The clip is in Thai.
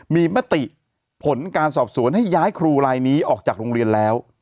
มีมติผลการสอบสวนให้ย้ายครูลายนี้ออกจากโรงเรียนแล้ว